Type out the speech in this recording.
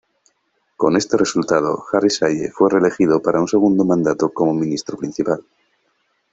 Con este resultado, Harris Salleh fue reelegido para un segundo mandato como Ministro Principal.